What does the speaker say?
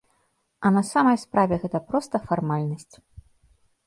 А на самай справе гэта проста фармальнасць.